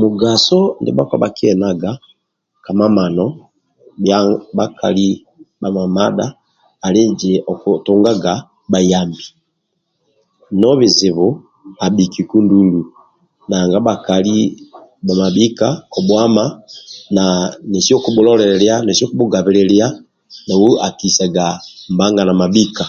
Mugaso ndia bhakpa bhakienaga ka mamano bhia bhakali bhamamadha ali nti okutungaga buyambi no nesi okubhulolelia nesi okbhuzibililia akisanga mbangana mabhika